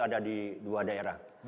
ada di dua daerah